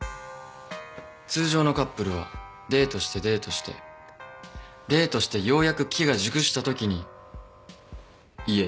通常のカップルはデートしてデートしてデートしてようやく機が熟したときに家。